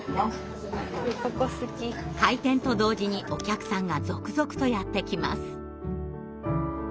開店と同時にお客さんが続々とやって来ます。